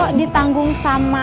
kok ditanggung sama